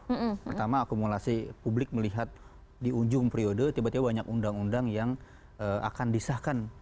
pertama akumulasi publik melihat di ujung periode tiba tiba banyak undang undang yang akan disahkan